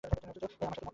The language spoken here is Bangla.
আমার সাথে মদ খা।